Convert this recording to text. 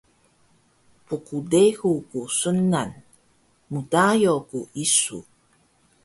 Pkdehu ku sunan, mdayo ku isu